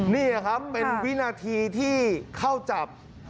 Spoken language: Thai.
นี่ครับเป็นวินาทีที่เข้าจับ